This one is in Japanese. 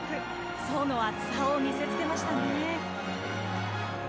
層の厚さを見せつけましたね。